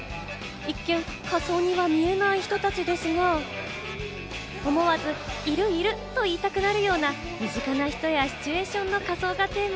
いっけん仮装には見えない人たちですが、思わず、いるいる！と言いたくなるような身近な人やシチュエーションの仮装がテーマ